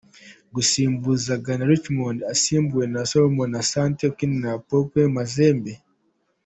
Gusimbuza Ghana: Richmond asimbuwe na Salomon Asante ukinira Tout Puissant Mazembe.